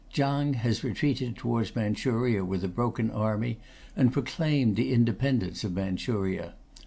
Chang has retreated towards Manchuria with a broken army, and proclaimed the independence of Manchuria.